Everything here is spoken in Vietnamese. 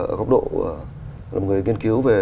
ở góc độ người nghiên cứu về